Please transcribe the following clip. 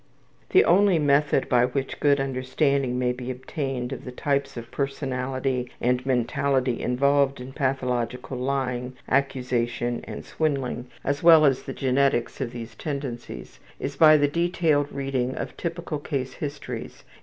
The only method by which good understanding may be obtained of the types of personality and mentality involved in pathological lying, accusation, and swindling, as well as of the genetics of these tendencies, is by the detailed reading of typical case histories.